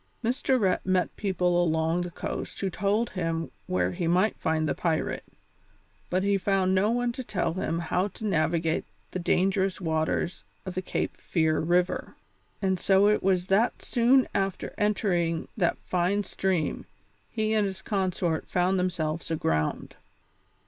Mr. Rhett met people enough along the coast who told him where he might find the pirate, but he found no one to tell him how to navigate the dangerous waters of the Cape Fear River, and so it was that soon after entering that fine stream he and his consort found themselves aground.